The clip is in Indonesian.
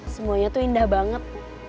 semuanya tuh indah banget